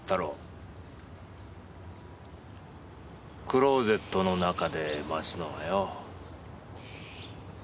クローゼットの中で待つのはよ。